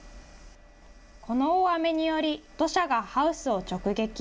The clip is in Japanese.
この大雨により、土砂がハウスを直撃。